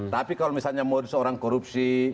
tapi kalau misalnya mau seorang korupsi